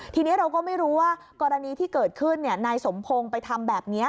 ทีนี้เราก็ไม่รู้ว่ากรณีที่เกิดขึ้นนายสมพงศ์ไปทำแบบนี้